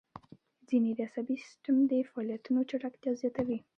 ځینې یې د عصبي سیستم د فعالیتونو چټکتیا زیاتوي.